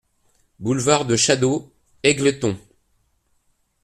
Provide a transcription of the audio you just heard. Boulevard de Chadaux, Égletons